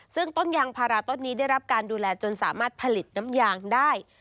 ซึ่งต้นยางพาราต้นนี้ได้รับการดูแลจนสามารถผลิตน้ำยางได้